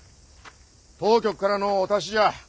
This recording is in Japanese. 当局からのお達しじゃあ。